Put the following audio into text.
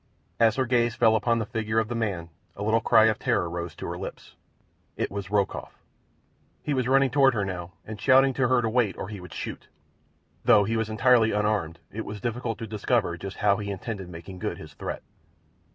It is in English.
As her gaze fell upon the figure of the man a little cry of terror rose to her lips. It was Rokoff. He was running toward her now and shouting to her to wait or he would shoot—though as he was entirely unarmed it was difficult to discover just how he intended making good his threat.